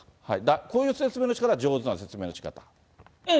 こういう説明のしかたが上手な説明のしかたですか。